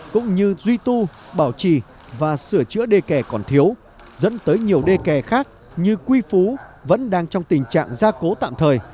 cũng như duy tu bảo trì và sửa chữa đê kè còn thiếu dẫn tới nhiều đê kè khác như quy phú vẫn đang trong tình trạng gia cố tạm thời